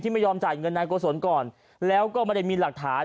ไม่ยอมจ่ายเงินนายโกศลก่อนแล้วก็ไม่ได้มีหลักฐาน